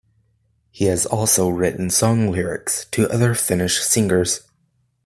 He has also written song lyrics to other Finnish singers.